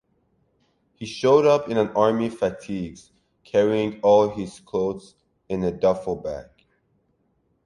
He showed up in army fatigues carrying all his clothes in a duffel bag.